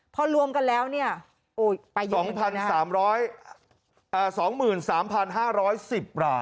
พอรวมกันแล้วเนี่ยโอ้ยสองพันสามร้อยสองหมื่นสามพันห้าร้อยสิบราย